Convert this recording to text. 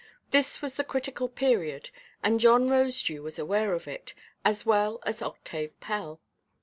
This was the critical period, and John Rosedew was aware of it, as well as Octave Pell.